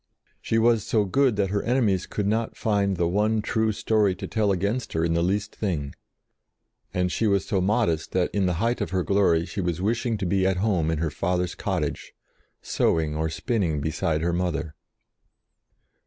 She was so good that her enemies could not find one true story to tell against her in the least thing; and she was so modest that in the height of her glory she was wishing to be at home in her father's cottage, sewing or spinning beside her mother.